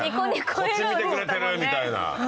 こっち見てくれてるみたいな。